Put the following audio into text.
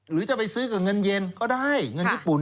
หรือจะไปซื้อกับเงินเย็นก็ได้เงินญี่ปุ่น